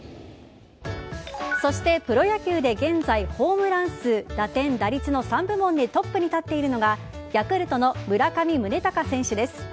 そしてプロ野球で現在ホームラン数打点、打率の３部門でトップに立っているのがヤクルトの村上宗隆選手です。